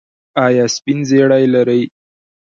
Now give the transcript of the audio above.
ایا سپین زیړی لرئ؟